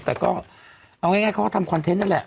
แต่ก็เอาง่ายเขาก็ทำคอนเทนต์นั่นแหละ